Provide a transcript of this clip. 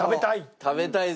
食べたい！